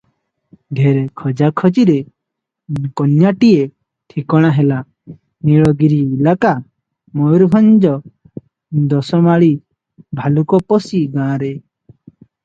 ଢେର ଖୋଜାଖୋଜିରେ କନ୍ୟାଟିଏ ଠିକଣା ହେଲା, ନୀଳଗିରି ଇଲାକା ମୟୂରଭଞ୍ଜ ଦୋସମାଳୀ ଭାଲୁକପୋଷି ଗାଁରେ ।